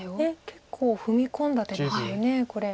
結構踏み込んだ手ですよねこれ。